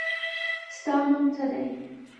ستا نوم څه دی.